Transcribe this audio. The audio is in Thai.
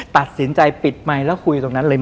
ตัดสินใจปิดไมค์แล้วคุยตรงนั้นเลย